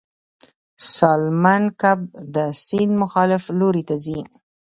سالمن کب د سیند مخالف لوري ته ځي